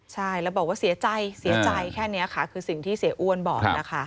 สีอาจจะเซียใจแค่นี้คือสิ่งที่เสียอ้วนบอก